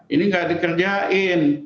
ini tidak dikerjakan